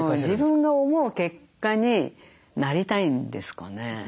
自分が思う結果になりたいんですかね。